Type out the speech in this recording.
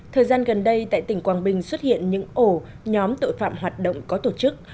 thời gian gần đây tại tỉnh quảng bình xuất hiện những ổ nhóm tội phạm hoạt động có tổ chức